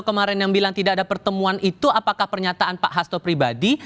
kemarin yang bilang tidak ada pertemuan itu apakah pernyataan pak hasto pribadi